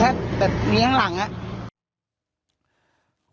แค่แค่แบบแค่แบบนี้ข้างหลังอะ